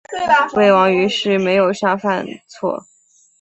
魏王于是没有杀范痤。